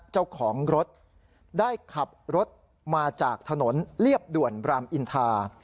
เจ้าของรถได้ขับรถมาจากถนนเรียบด่วนรามอินทา